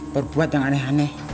berbuat yang aneh aneh